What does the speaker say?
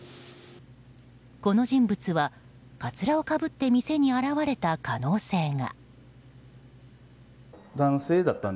この人物は、かつらをかぶって店に現れた可能性が。